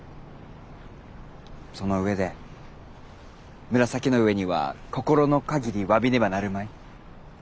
その上で紫の上には心のかぎり詫びねばなるまい。